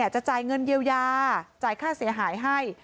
จะจ่ายเงินเยียวยาจ่ายค่าเสียหายให้